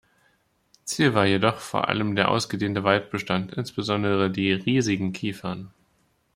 Ziel war jedoch vor allem der ausgedehnte Waldbestand, insbesondere die riesigen Kiefern.